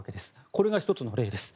これが１つの例です。